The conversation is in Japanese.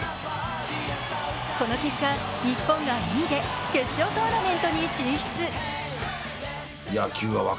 この結果、日本が２位で決勝トーナメントに進出。